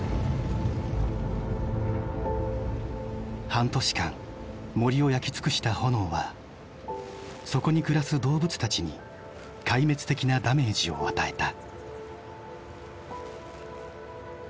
半年間森を焼き尽くした炎はそこに暮らす動物たちに壊滅的なダメージを与えた。